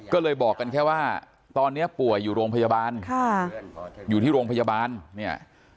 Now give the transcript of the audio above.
ก็เลยบอกกันแค่ว่าตอนนี้ป่วยอยู่โรงพยาบาลค่ะอยู่ที่โรงพยาบาลเนี่ย